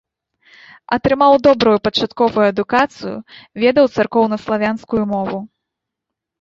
Атрымаў добрую пачатковую адукацыю, ведаў царкоўнаславянскую мову.